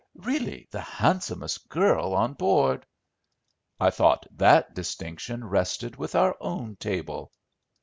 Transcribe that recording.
Really the handsomest girl on board." "I thought that distinction rested with our own table."